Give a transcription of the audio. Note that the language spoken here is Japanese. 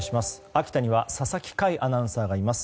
秋田には佐々木快アナウンサーがいます。